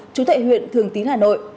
chú thệ huyện thường tín hà nội